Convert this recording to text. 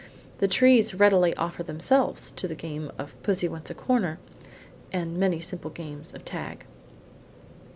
The trees readily offer themselves to the game of "Pussy wants a corner," and many simple games of tag.